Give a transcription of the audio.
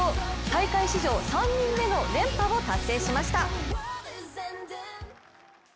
大会史上３人目の連覇を達成しました。